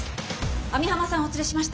網浜さんをお連れしました。